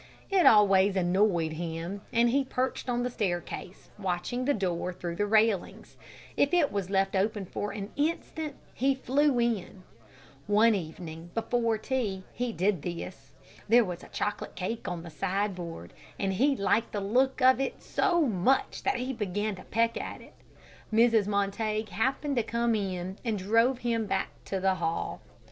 It always annoyed him, and he perched on the staircase, watching the door through the railings. If it was left open for an instant, he flew in. One evening, before tea, he did this. There was a chocolate cake on the sideboard, and he liked the look of it so much that he began to peck at it. Mrs. Montague happened to come in, and drove him back to the hall.